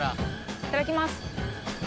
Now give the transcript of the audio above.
いただきます。